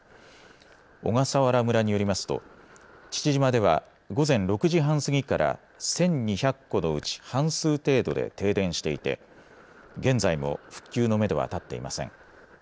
小笠原村によりますと父島では午前６時半過ぎから１２００戸のうち半数程度で停電していて現在も復旧のめどは立っていません。